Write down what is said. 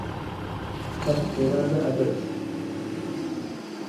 “But where are the others?”